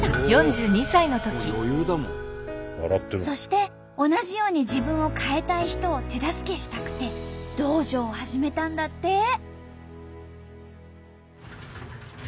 そして同じように自分を変えたい人を手助けしたくて道場を始めたんだって！